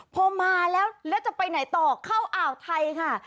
พอมาแล้วแล้วจะไปไหนต่อเข้าอ่าวไทยค่ะ